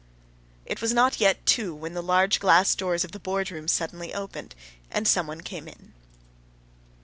It was not yet two, when the large glass doors of the boardroom suddenly opened and someone came in.